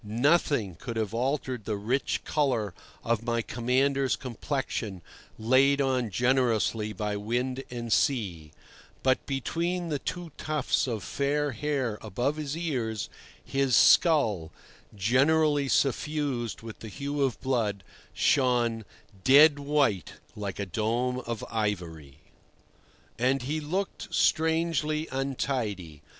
Nothing could have altered the rich colour of my commander's complexion, laid on generously by wind and sea; but between the two tufts of fair hair above his ears, his skull, generally suffused with the hue of blood, shone dead white, like a dome of ivory. And he looked strangely untidy.